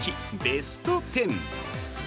ベスト１０。